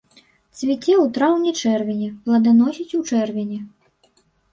Цвіце ў траўні-чэрвені, пладаносіць у чэрвені.